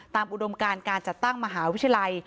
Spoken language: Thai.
อุดมการการจัดตั้งมหาวิทยาลัย